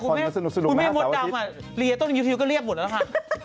คุณแม่มดดำเรียต้นยูทิวก็เรียกหมดแล้วค่ะ